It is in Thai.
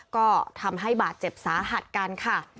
ก็ทำให้บาดเจ็บสาหัสกันค่ะ